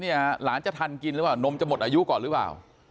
หลานจะทันกินหรือเปล่านมจะหมดอายุก่อนหรือเปล่า